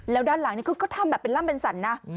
แล้วด้านหลังนี่คือเขาทำแบบเป็นร่ำเป็นสันนะ